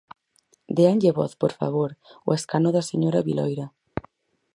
Déanlle voz, por favor, ao escano da señora Viloira.